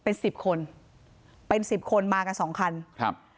เป็น๑๐คนเป็น๑๐คนมากัน๒คันครับ